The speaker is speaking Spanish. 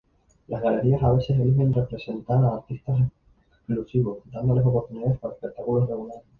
Las galerías a veces eligen representar a artistas exclusivos, dándoles oportunidades para espectáculos regulares.